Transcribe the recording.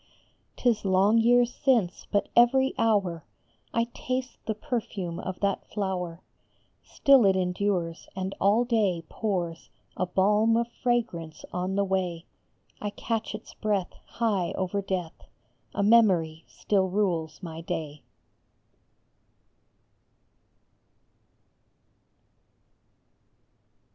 T is long years since, but every hour I taste the perfume of that flower. Still it endures, and all day pours A balm of fragrance on the way. I catch its breath high over death ; A memory still rules my day.